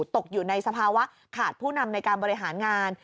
ตกอยู่ในสภาวะขาดผู้นำในการบริหารงาน